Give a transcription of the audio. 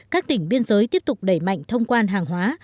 các tỉnh biên giới tiếp tục đẩy mạnh thông quan hàng hóa